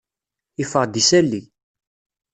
Yeffeɣ-d yisali.